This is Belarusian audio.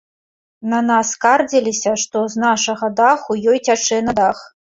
На нас скардзілася, што з нашага даху ёй цячэ на дах.